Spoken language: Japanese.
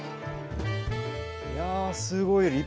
いやすごい。